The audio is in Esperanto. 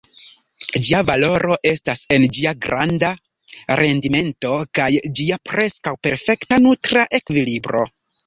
Ĝia valoro estas en ĝia granda rendimento kaj ĝia preskaŭ perfekta nutra ekvilibro.